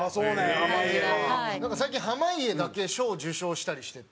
山内：最近、濱家だけ賞を受賞したりしてて。